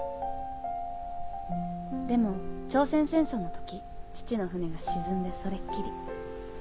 でも朝鮮戦争の時父の艦が沈んでそれっきり。